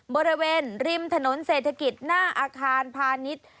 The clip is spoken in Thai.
บริเวณริมถนนเศรษฐกิจหน้าอาคารพาณิชย์